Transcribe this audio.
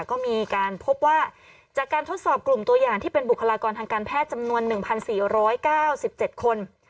ก็มีการพบว่าจากการทดสอบกลุ่มตัวอย่างที่เป็นบุคลากรทางการแพทย์จำนวน๑๔๙๗คน